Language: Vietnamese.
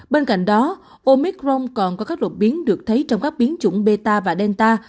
bên cạnh đó omicron còn có các đột biến được thấy trong các biến chủng beta và delta